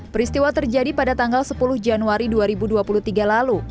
peristiwa terjadi pada tanggal sepuluh januari dua ribu dua puluh tiga lalu